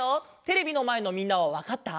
テレビのまえのみんなはわかった？